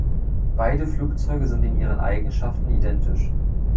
Beide Flugzeuge sind in ihren Eigenschaften identisch.